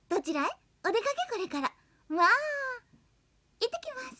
「いってきます。